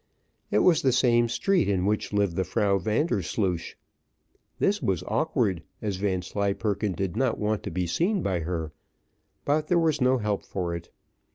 It was the same street in which lived the Frau Vandersloosh. This was awkward, as Vanslyperken did not want to be seen by her; but there was no help for it.